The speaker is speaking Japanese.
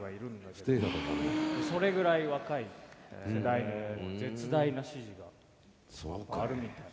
それぐらい若い世代にも絶大な支持があるみたい。